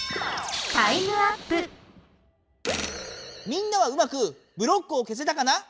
みんなはうまくブロックを消せたかな？